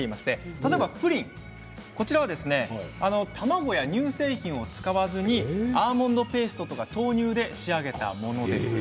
例えばプリン、こちらは卵や乳製品を使わずにアーモンドペーストや豆乳で仕上げたものです。